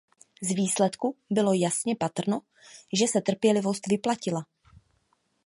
Z výsledku bylo jasně patrno, že se trpělivost vyplatila.